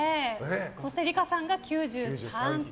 そしてリカさんが９３点。